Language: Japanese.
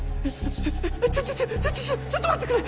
ちょちょちょっと待ってくれ！